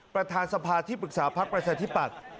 ประธานสภาที่ปรึกษาพักประชาธิปัตย์